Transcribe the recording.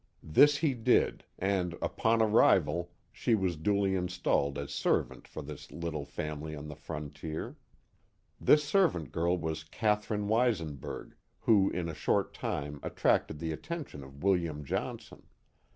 This he did, and upon arrival she was duly installed as servant for this little family on the frontier. This servant girl was Catherine Weisenburg, who in a short time attracted the attention of William Johnson.